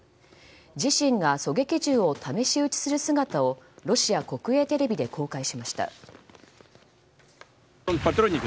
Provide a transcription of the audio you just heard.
自身が狙撃銃を試し撃ちする姿をロシア国営テレビで公開しました。